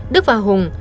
đức và hùng